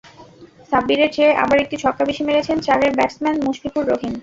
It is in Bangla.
সাব্বিরের চেয়ে আবার একটি ছক্কা বেশি মেরেছেন চারের ব্যাটসম্যান মুশফিকুর রহিম।